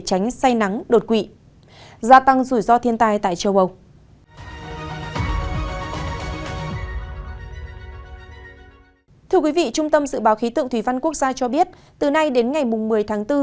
thưa quý vị trung tâm dự báo khí tượng thủy văn quốc gia cho biết từ nay đến ngày một mươi tháng bốn